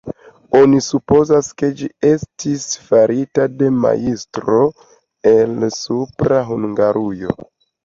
Oni supozas, ke ĝi estis farita de majstroj el Supra Hungarujo.